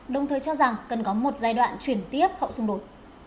đồng thời cho rằng cần có một giai đoạn chuyển tiếp hậu xung đột